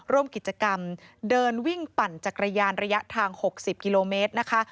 ร่วมกิจกรรมเดินวิ่งปั่นจักรยานระยะทาง๖๐กิโลเมตรนะคะ